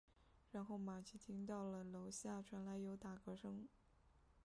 然后玛琦听到楼下传来有打嗝声。